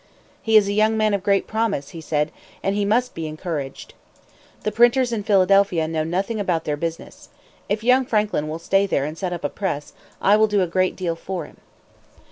"He is a young man of great promise," he said; "and he must be encouraged. The printers in Philadelphia know nothing about their business. If young Franklin will stay there and set up a press, I will do a great deal for him."